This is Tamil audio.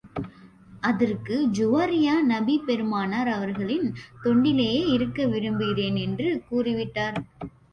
அதற்கு ஜூவரிய்யா, நபி பெருமானார் அவர்களின் தொண்டிலேயே இருக்க விரும்புகிறேன் என்று கூறி விட்டார்.